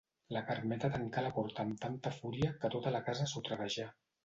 La Carmeta tancà la porta amb tanta fúria que tota la casa sotraguejà.